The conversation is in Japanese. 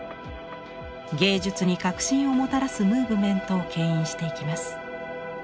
芸術に革新をもたらすムーブメントを牽引していきます。